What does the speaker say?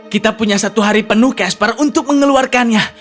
kita punya satu hari penuh casper untuk mengeluarkannya